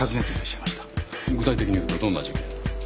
具体的にいうとどんな事件？